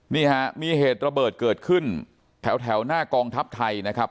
นี่ฮะมีเหตุระเบิดเกิดขึ้นแถวหน้ากองทัพไทยนะครับ